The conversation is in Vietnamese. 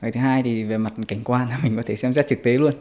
thứ hai thì về mặt cảnh quan là mình có thể xem xét trực tế luôn